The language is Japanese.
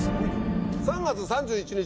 ３月３１日